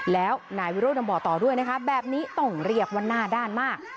แล้วหน่ายวิโรดำบ่อต่อด้วยนะครับแบบนี้ต้องเรียบวันหน้าด้านมาก